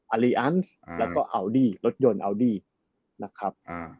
อารีอันซ์แล้วก็อัลดี้รถยนต์อัลดี้นะครับ